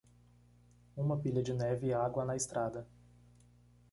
uma pilha de neve e água na estrada